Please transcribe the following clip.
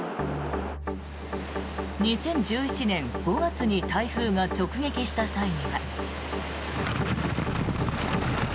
２０１１年５月に台風が直撃した際には。